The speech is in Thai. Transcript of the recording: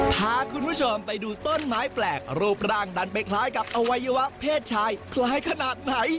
พาคุณผู้ชมไปดูต้นไม้แปลกรูปร่างดันไปคล้ายกับอวัยวะเพศชายคล้ายขนาดไหน